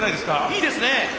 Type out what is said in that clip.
いいですね！